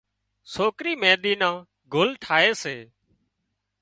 سوڪري مينۮِي نان گُل ٺاهي سي